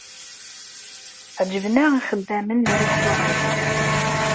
Ɛeǧben-aɣ ixeddamen n rrisṭura-yi.